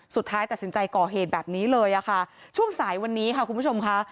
สุดท้ายตัดสินใจก่อเหตุแบบนี้เลยอะค่ะช่วงสายวันนี้ค่ะคุณผู้ชมค่ะ